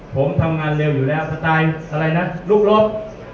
ผมทำงานเร็วอยู่แล้วสไตล์อะไรนะลูกลบ